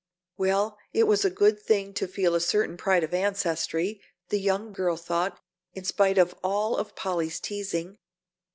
"Well, it was a good thing to feel a certain pride of ancestry," the young girl thought, "in spite of all of Polly's teasing.